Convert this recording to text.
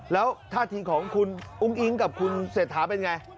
แล้วท่าทีของคุณอุ้งอิ๊งกับคุณเศรษฐาเป็นไง